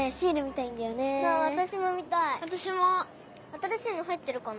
新しいの入ってるかな？